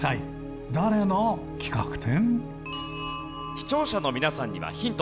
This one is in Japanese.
視聴者の皆さんにはヒント。